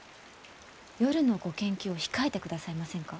夜のご研究を控えてくださいませんか？